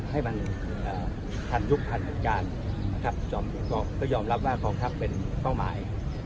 ให้มันทันยุคทันการก็ยอมรับว่าของท่านเป็นเป้าหมาย